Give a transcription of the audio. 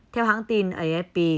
theo hãng tin afp